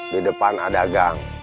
di depan ada gang